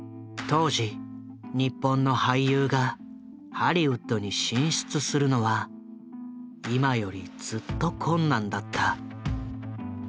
当時日本の俳優がハリウッドに進出するのは今よりずっと困難だった。